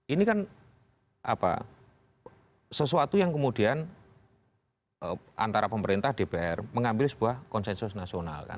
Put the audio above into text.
ini kan sesuatu yang kemudian antara pemerintah dpr mengambil sebuah konsensus nasional kan